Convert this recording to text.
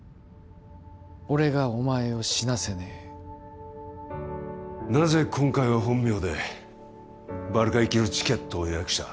俺がお前を死なせねえなぜ今回は本名でバルカ行きのチケットを予約した？